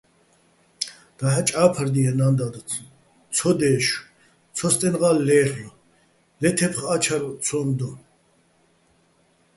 დაჰ̦აჭ ჸა́ფარდიეჼ ნა́ნ-დად, ცო დე́შო̆, ცოსტენღა́ ლე́რლ'ო̆, ლე თე́ფხარ-ა́ჩარვ ცო́მ დო.